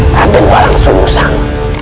raden walang susang